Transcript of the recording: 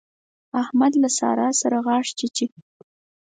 احمد له سارا سره غاښ چيچي.